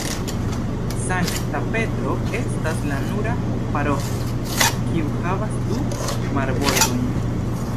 Sankta Petro estas la nura paroĥo kiu havas du marbordojn.